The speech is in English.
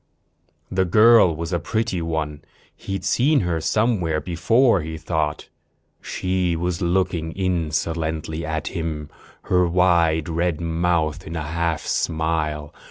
The girl was a pretty one. He'd seen her somewhere before, he thought. She was looking insolently at him, her wide red mouth in a half smile.